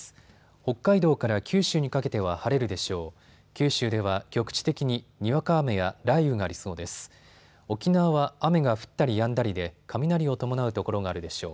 北海道から九州にかけては晴れるでしょう。